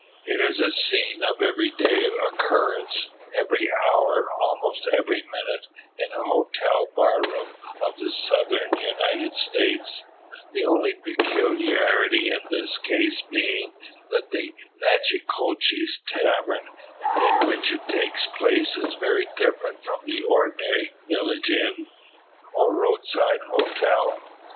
It is a scene of every day occurrence, every hour, almost every minute, in a hotel bar room of the Southern United States; the only peculiarity in this case being, that the Natchitoches tavern in which it takes place is very different from the ordinary village inn, or roadside hotel.